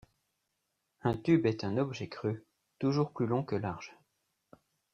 Un tube est un objet creux, toujours plus long que large.